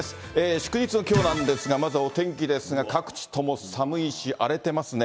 祝日のきょうなんですが、まずはお天気ですが、各地とも寒いし、荒れてますね。